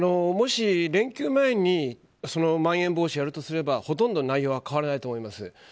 もし、連休前にまん延防止やるとすればほとんど内容は変わらないと思います。